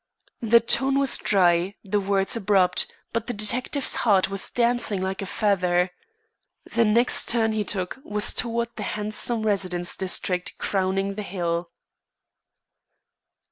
The tone was dry, the words abrupt, but the detective's heart was dancing like a feather. The next turn he took was toward the handsome residence district crowning the hill.